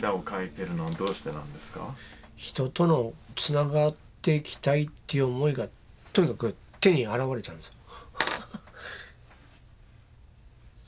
人とのつながっていきたいっていう思いがとにかく手に表れちゃうんですよ。